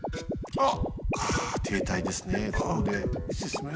あっ。